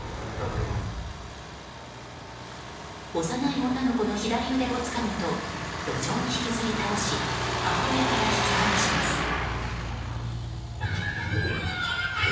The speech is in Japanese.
幼い女の子の左腕をつかむと路上に引きずり倒し母親から引き離します。